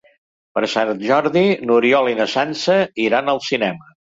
Per Sant Jordi n'Oriol i na Sança iran al cinema.